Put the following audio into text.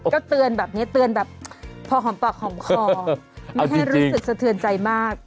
ก็เตือนแบบนี้เตือนแบบพอหอมปากหอมคอไม่ให้รู้สึกสะเทือนใจมาก